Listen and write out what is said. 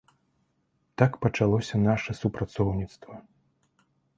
Так пачалося наша супрацоўніцтва.